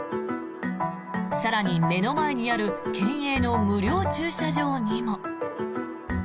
更に、目の前にある県営の無料駐車場にも。